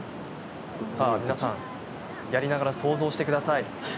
皆さん、やりながら想像してください。